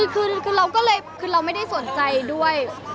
คือเราก็เลยคือเราไม่ได้สนใจด้วย